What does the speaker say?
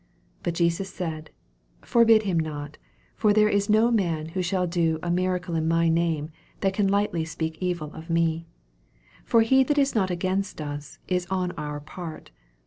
39 But Jesus said, Forbid him not : for there is no man which shall do a miracle in my name, that can lightly speak evil of me, 40 For he that is not against us is on our part.